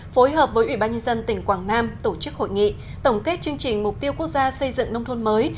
phối hợp với ủy ban nhân dân tỉnh quảng nam tổ chức hội nghị tổng kết chương trình mục tiêu quốc gia xây dựng nông thôn mới